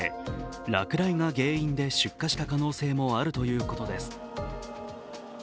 落雷が原因で出火した可能性もあるということです。